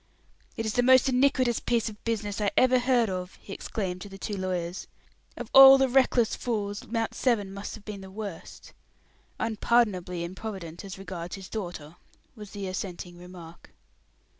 "It is the most iniquitous piece of business I ever heard of!" he exclaimed to the two lawyers. "Of all the reckless fools, Mount Severn must have been the worst!" "Unpardonably improvident as regards his daughter," was the assenting remark.